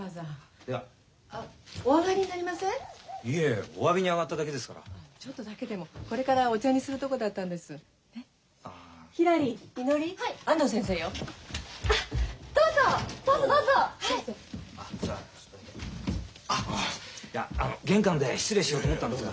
いやあの玄関で失礼しようと思ったんですが。